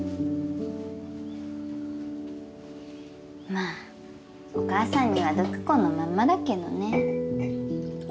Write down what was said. まあお母さんには毒子のまんまだけどね。